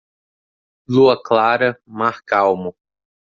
Lua clara, mar calmo.